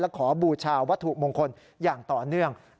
ขอบูชาวัตถุมงคลอย่างต่อเนื่อง